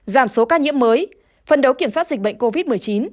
giảm số ca nhiễm mới phân đấu kiểm soát dịch bệnh covid một mươi chín